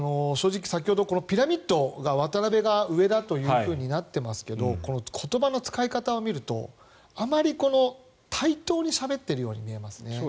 先ほどこのピラミッドが渡邉が上だとなっていますけど言葉の使い方を見ると対等にしゃべってるように見えますね。